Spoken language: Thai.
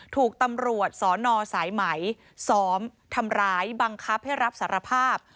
ถูกตำรวจสนสายไหมซ้อมทำร้ายบังคับให้รับสารภาพ